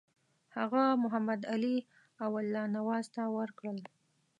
هغه محمدعلي او الله نواز ته ورکړل.